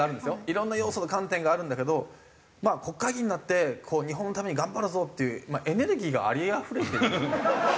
いろんな要素と観点があるんだけどまあ国会議員になって日本のために頑張るぞっていうエネルギーがありあふれてる。